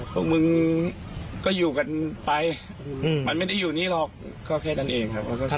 พวกมึงก็อยู่กันไปมันไม่ได้อยู่นี่หรอกก็แค่นั้นเองครับ